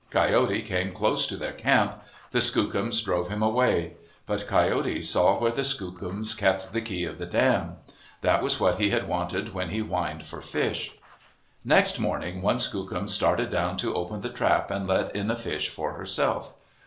Coyote came close to their camp. The Skookums drove him away. But Coyote saw where the Skookums kept the key of the dam. That was what he had wanted when he whined for fish. Next morning, one Skookum started down to open the trap and let in a fish for herself.